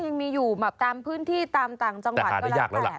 ยังมีอยู่แบบตามพื้นที่ตามต่างจังหวัดก็แล้วแต่